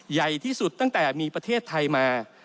ใหญ่ที่สุดตั้งแต่มีประเทศไทยมา